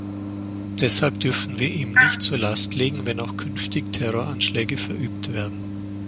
Deshalb dürfen wir ihm nicht zur Last legen, wenn auch künftig Terroranschläge verübt werden.